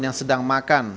yang sedang makan